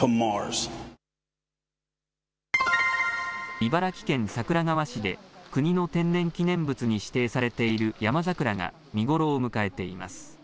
茨城県桜川市で国の天然記念物に指定されているヤマザクラが見頃を迎えています。